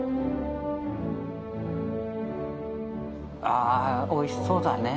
あおいしそうだね。